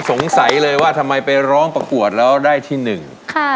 สงสัยเลยว่าทำไมไปร้องประกวดแล้วได้ที่หนึ่งค่ะ